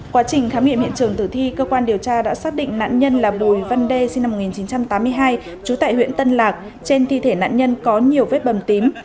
quá trình khám nghiệm hiện trường tử thi cơ quan điều tra đã xác định nạn nhân là bùi văn đê sinh năm một nghìn chín trăm tám mươi hai trú tại huyện tân lạc trên thi thể nạn nhân có nhiều vết bầm tím